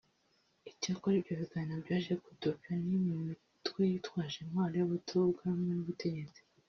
Icyakora ibyo biganiro byaje kudobywa n’imwe mu mitwe yitwaje intwaro y’abatavuga rumwe n’ubutegetsi